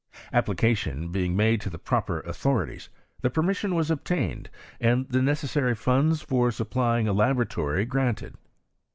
Application being made to the proper authorities, the permission was obtain* ed, and the necessary funds for supplying a labora tory granted.